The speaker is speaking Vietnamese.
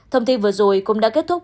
thông tin vừa rồi cũng đã kết thúc